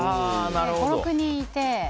５６人いて。